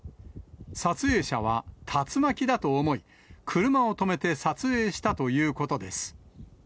撮影者は、竜巻だと思い、車を止めて撮影したということです。